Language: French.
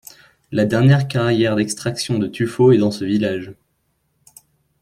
La dernière carrière d'extraction de tuffeau est dans ce village.